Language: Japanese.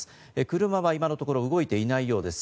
車は今のところ動いていないようです。